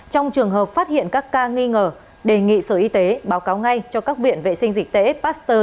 trong trường hợp phát hiện các ca nghi ngờ đề nghị sở y tế báo cáo ngay cho các viện vệ sinh dịch tễ pasteur